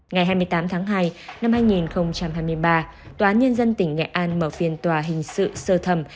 ngày hai mươi tám tháng hai năm hai nghìn hai mươi ba tòa nhân dân tỉnh nghệ an mở phiên tòa hình sự sơ thẩm